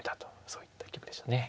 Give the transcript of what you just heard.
そういった一局でしたね。